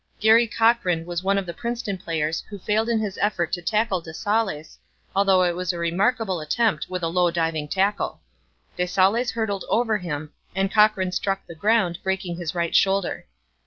Garry Cochran was one of the Princeton players who failed in his effort to tackle de Saulles, although it was a remarkable attempt with a low, diving tackle. De Saulles hurdled over him and Cochran struck the ground, breaking his right shoulder.